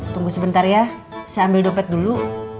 tunggu sebentar ya saya ambil dompet dulu